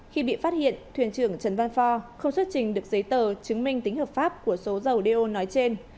khi bị phát hiện thuyền trưởng trần văn phò không xuất trình được giấy tờ chứng minh tính hợp pháp của số dầu đeo nói trên